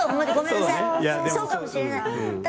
そうかもしれない。